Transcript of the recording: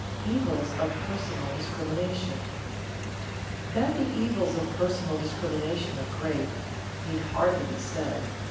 [Sidenote: Evils of personal discrimination] That the evils of personal discrimination are great, need hardly be said.